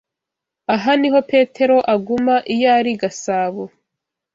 Aha niho Petero aguma iyo ari i Gasabo.